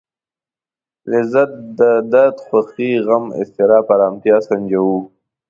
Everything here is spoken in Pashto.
لذت درد خوښي غم اضطراب ارامتيا سنجوو.